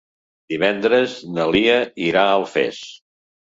Divendres na Lia irà a Alfés.